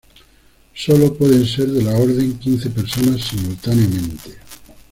Sólo pueden ser de la orden quince personas simultáneamente.